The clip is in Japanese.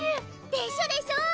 でしょでしょ？